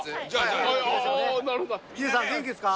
ヒデさん元気ですか？